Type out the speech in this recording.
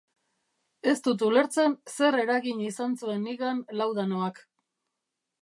Ez dut ulertzen zer eragin izan zuen nigan laudanoak.